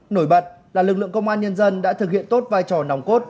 nổi bật là lực lượng công an nhân dân đã thực hiện tốt vai trò nòng cốt